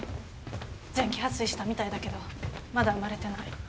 前期破水したみたいだけどまだ産まれてない。